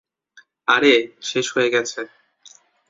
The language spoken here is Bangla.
আরে, শেষ হয়ে গেছে।